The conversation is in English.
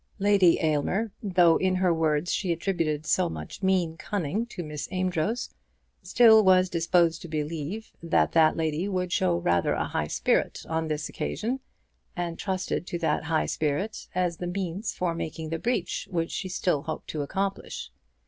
Lady Aylmer, though in her words she attributed so much mean cunning to Miss Amedroz, still was disposed to believe that that lady would show rather a high spirit on this occasion; and trusted to that high spirit as the means for making the breach which she still hoped to accomplish.